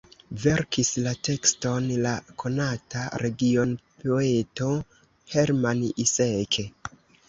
Verkis la tekston la konata regionpoeto Hermann Iseke.